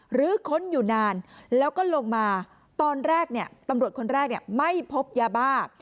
ค้นอยู่นานแล้วก็ลงมาตอนแรกเนี่ยตำรวจคนแรกไม่พบยาบ้า